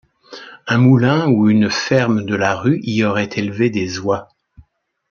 Un moulin ou une ferme de la rue y aurait élevé des oies.